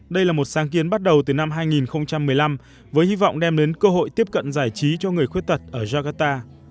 đây là một sáng kiến bắt đầu từ năm hai nghìn một mươi năm với hy vọng đem đến cơ hội tiếp cận giải trí cho người khuyết tật ở jakarta